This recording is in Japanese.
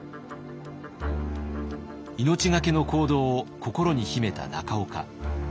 命懸けの行動を心に秘めた中岡。